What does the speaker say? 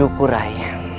saya bersyukur rai